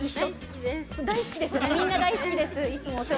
みんな大好きです。